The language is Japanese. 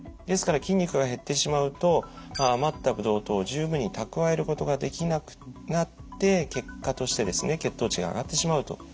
ですから筋肉が減ってしまうと余ったブドウ糖を十分に蓄えることができなくなって結果としてですね血糖値が上がってしまうと。